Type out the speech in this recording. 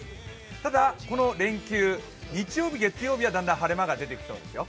ただ、この連休、日曜日、月曜日はだんだん晴れ間が出てきそうですよ。